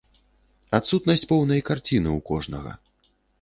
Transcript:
Адсутнасць поўнай карціны ў кожнага.